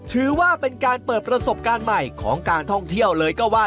ถือว่าเป็นการเปิดประสบการณ์ใหม่ของการท่องเที่ยวเลยก็ว่า